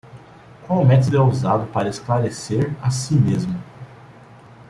Qual método é usado para esclarecer a si mesmo?